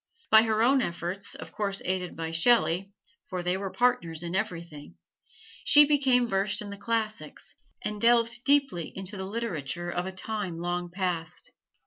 By her own efforts, of course aided by Shelley (for they were partners in everything), she became versed in the classics and delved deeply into the literature of a time long past.